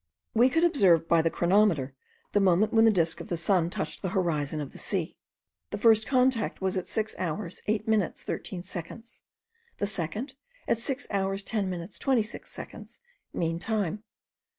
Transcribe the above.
We could observe by the chronometer the moment when the disk of the sun touched the horizon of the sea. The first contact was at 6 hours 8 minutes 13 seconds; the second, at 6 hours 10 minutes 26 seconds; mean time.